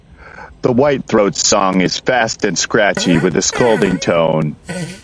The whitethroat's song is fast and scratchy, with a scolding tone.